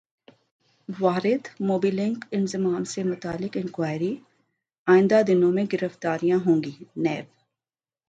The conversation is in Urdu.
واردموبی لنک انضمام سے متعلق انکوائری ئندہ دنوں میں گرفتاریاں ہوں گی نیب